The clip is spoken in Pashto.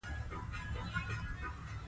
تور پیکی یې د کعبې د غلاف